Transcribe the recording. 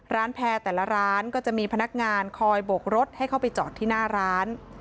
แพร่แต่ละร้านก็จะมีพนักงานคอยโบกรถให้เข้าไปจอดที่หน้าร้าน